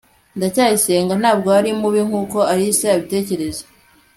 ndacyayisenga ntabwo ari mubi nkuko alice abitekereza